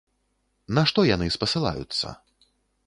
На што яны спасылаюцца?